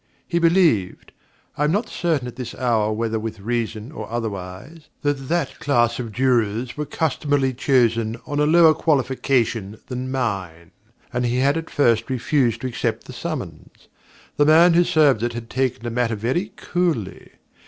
He believed I am not certain at this hour whether with reason or otherwise that that class of Jurors were customarily chosen on a lower qualification than mine, and he had at first refused to accept the summons. The man who served it had taken the matter very coolly.